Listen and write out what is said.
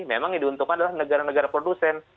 memang yang diuntungkan adalah negara negara produsen